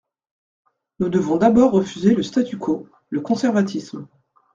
Nous devons d’abord refuser le statu quo, le conservatisme.